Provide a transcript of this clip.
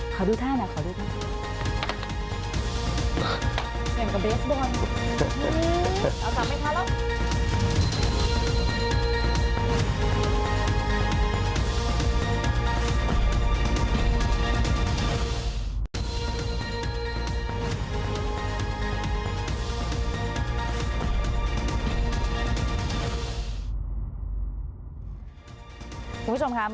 ขอดูท่าหน่อยขอดูท่าหน่อย